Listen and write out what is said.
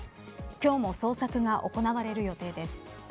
今日も捜索が行われる予定です。